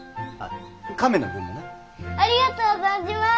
ありがとう存じます！